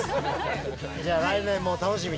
じゃあ来年も楽しみに。